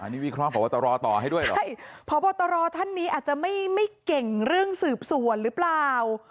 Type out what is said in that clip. นี่วิเคราะหอบตรต่อให้ด้วยเหรอใช่พบตรท่านนี้อาจจะไม่เก่งเรื่องสืบสวนหรือเปล่า